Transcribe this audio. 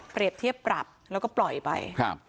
เปรียบเทียบปรับแล้วก็ปล่อยไป